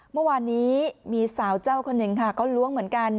เมื่อวานนี้มีสาวเจ้าคนหนึ่งค่ะเขาล้วงเหมือนกัน